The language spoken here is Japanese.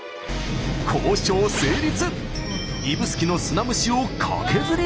交渉成立。